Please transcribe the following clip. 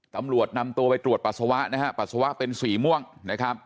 ตำรวจนำตัวไปตรวจปัสสาวะนะฮะปัสสาวะเป็นสีม่วงนะครับ